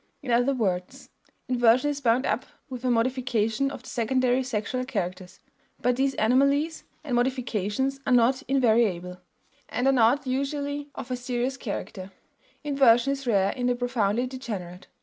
In other words, inversion is bound up with a modification of the secondary sexual characters. But these anomalies and modifications are not invariable, and are not usually of a serious character; inversion is rare in the profoundly degenerate.